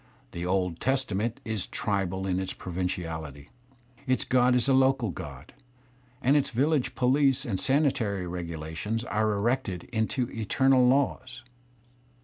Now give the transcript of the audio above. The Old Testament is tribal in its provinciality; its god is a local god, and its village police and sanitary regulations are CTected into eternal laws.